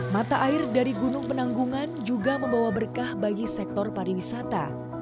mata air dari gunung penanggungan juga membawa berkah bagi sektor pariwisata